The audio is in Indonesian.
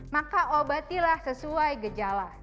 maka obatilah sesuai gejala